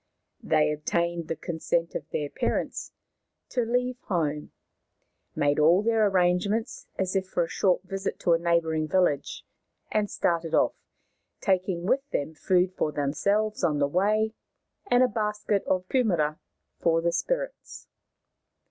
They obtained the consent of their parents to leave home, made all their arrangements as if for a short visit to a neighbouring village, and started off, taking with them food for themselves on the way and a basket of kumaras for the spirits.